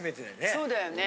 そうだよね。